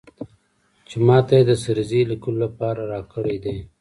چې ماته یې د سریزې لیکلو لپاره راکړی دی.